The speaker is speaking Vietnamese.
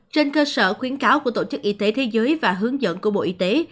trên cơ sở khuyến cáo của tổ chức y tế thế giới và hướng dẫn của bộ y tế